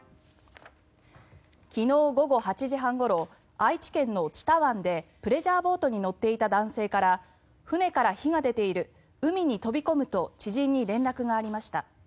昨日午後８時半ごろ愛知県の知多湾でプレジャーボートに乗っていた男性から船から火が出ている海に飛び込むと知人に連絡がありました。